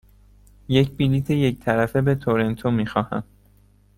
یک بلیط یک طرفه به تورنتو می خواهم.